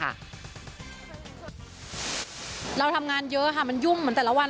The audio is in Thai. เราทำงานเยอะค่ะมันยุ่งเหมือนแต่ละวัน